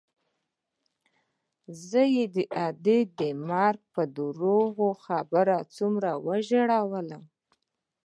زه يې د ادې د مرګ په درواغ خبر څومره وژړولوم.